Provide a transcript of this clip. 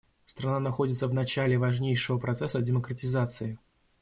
Страна находится в начале важнейшего процесса демократизации.